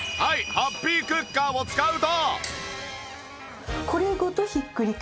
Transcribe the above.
ハッピークッカーを使うと